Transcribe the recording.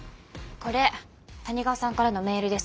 これ谷川さんからのメールです。